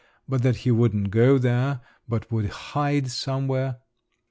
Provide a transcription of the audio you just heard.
… but that he wouldn't go there, but would hide somewhere!